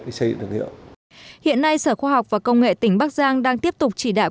để xây dựng thương hiệu hiện nay sở khoa học và công nghệ tỉnh bắc giang đang tiếp tục chỉ đạo